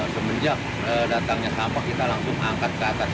semenjak datangnya sampah kita langsung angkat ke atas